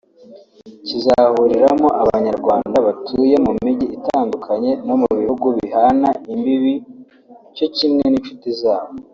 kizahuriramo Abanyarwanda batuye mu mijyi itandukanye no mu bihugu bihana imbibi cyo kimwe n’inshuti zabo